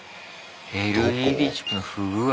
ＬＥＤチップの不具合。